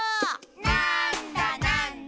「なんだなんだ？」